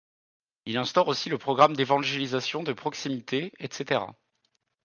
Il instaure aussi le programme d'évangélisation de proximité, etc.